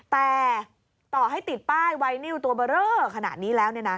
แต่ต่อให้ติดป้ายไวนิวตัวเบอร์เรอขนาดนี้แล้ว